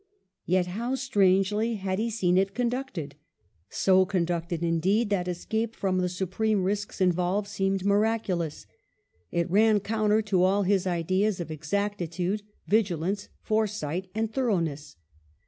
Yet how strangely had he seen it conducted — so conducted, indeed, that escape from the supreme risks involved seemed miraculous. It ran counter to all his ideas of exactitude, vigilance, fore sight, and thoroughness.